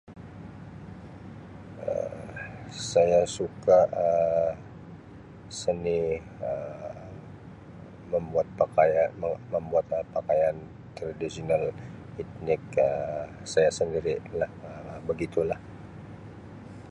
Um Saya suka Um seni Um membuat pakaian membuat pakaian tradisional ini etnik Um saya sendirilah begitulah.